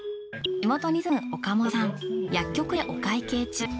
地元に住む岡元さん薬局でお会計中。